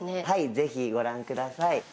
ぜひご覧下さい。